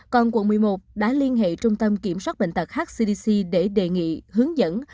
còn quận một mươi một đã liên hệ trung tâm kiểm soát bệnh tật hcdc để đề nghị hướng dẫn